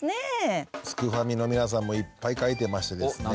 すくファミの皆さんもいっぱい書いてましてですね。